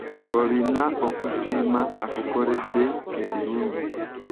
Olina okusiima akukoledde ebirungi.